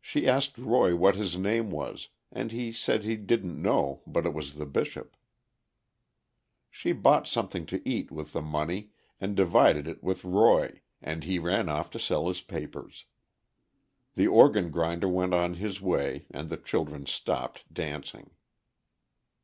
She asked Roy what his name was, and he said he didn't know, but it was the Bishop. She bought something to eat with the money, and divided it with Roy, and he ran off to sell his papers. The organ grinder went on his way, and the children stopped dancing.